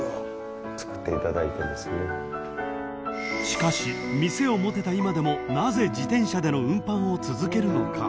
［しかし店を持てた今でもなぜ自転車での運搬を続けるのか］